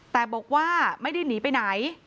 แต่บอกว่าไม่ได้หนีไปไหน